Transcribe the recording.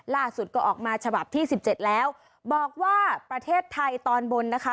ล่าสุดก็ออกมาฉบับที่สิบเจ็ดแล้วบอกว่าประเทศไทยตอนบนนะคะ